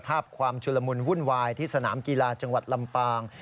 ภาพความชุลมุนวุ่นวายที่สนามกีฬาจังหวัดลำปาง